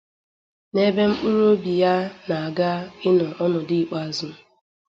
na ebe mkpụrụ obi ya na-aga ịnọ ọnọdụ ikpeazụ.